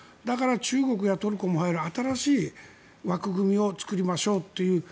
だから中国やトルコも入る新しい枠組みを作りましょうという。